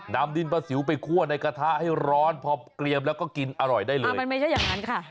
นำดินประสิวไปคั่วในกระทะให้ร้อนพอเกลียมแล้วก็กินอร่อยได้เลยคือมันไม่ใช่อย่างนั้นค่ะ